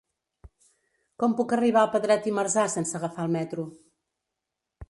Com puc arribar a Pedret i Marzà sense agafar el metro?